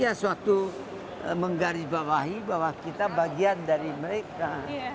ya suatu menggarisbawahi bahwa kita bagian dari mereka